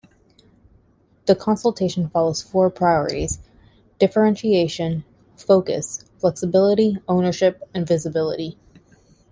The consultation follows four priorities: differentiation; focus; flexibility; ownership and visibility.